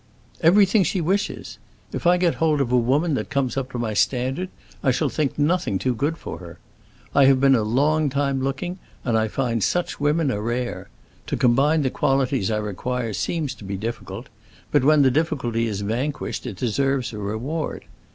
"Everything she wishes. If I get hold of a woman that comes up to my standard, I shall think nothing too good for her. I have been a long time looking, and I find such women are rare. To combine the qualities I require seems to be difficult, but when the difficulty is vanquished it deserves a reward.